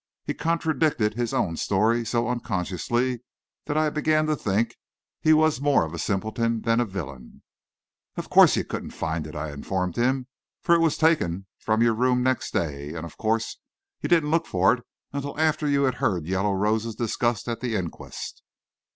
He contradicted his own story so unconsciously, that I began to think he was more of a simpleton than a villain. "Of course you couldn't find it," I informed him, "for it was taken from your room next day; and of course you didn't look for it until after you had heard yellow roses discussed at the inquest."